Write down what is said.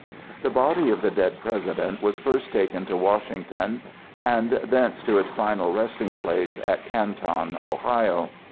The body of the dead President was first taken to Washington, and thence to its final resting place at Canton, Ohio.